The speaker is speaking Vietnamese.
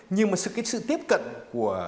nhưng mà sự tiếp cận của